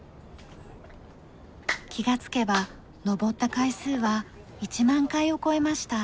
気がつけば登った回数は１万回を超えました。